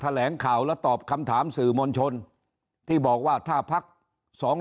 แถลงข่าวและตอบคำถามสื่อมวลชนที่บอกว่าถ้าพักสอง